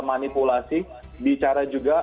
manipulasi bicara juga